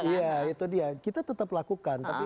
iya itu dia kita tetap lakukan